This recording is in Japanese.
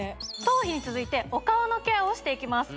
頭皮に続いてお顔のケアをしていきます